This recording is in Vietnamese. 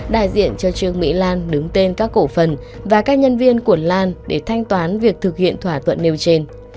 đại diện cho trương mỹ lan đứng tên các cổ phần và các nhân viên của lan để thanh toán việc thực hiện thỏa thuận nêu trên